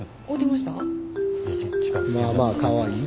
まあまあかわいいと。